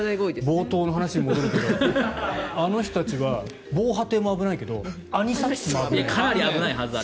冒頭の話に戻るけどあの人たちは防波堤も危ないけどアニサキスも危ないはず。